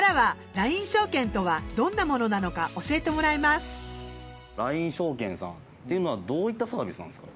ＬＩＮＥ証券さんっていうのはどういったサービスなんですか？